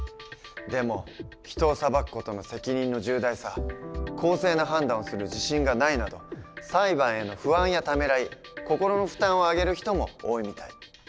でも人を裁く事の責任の重大さ公正な判断をする自信がないなど裁判への不安やためらい心の負担を挙げる人も多いみたい。